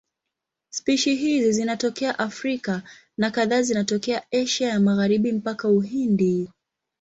Spishi hizi zinatokea Afrika na kadhaa zinatokea Asia ya Magharibi mpaka Uhindi.